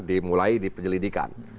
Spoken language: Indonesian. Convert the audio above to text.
dimulai di penyelidikan